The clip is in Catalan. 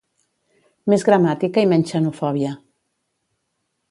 Més gramàtica i menys xenofòbia